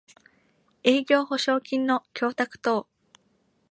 営業保証金の供託等